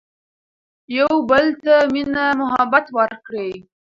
يو بل ته مينه محبت ور کړي